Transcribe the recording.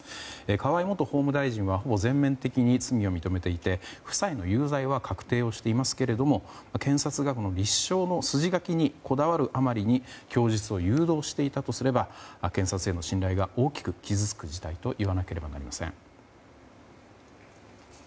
河井元法務大臣はほぼ全面的に罪を認めていて夫妻の有罪は確定していますけれども検察が立証の筋書きにこだわるあまりに供述を誘導していたとすれば検察への信頼が大きく傷つく事態と言わなければなりません。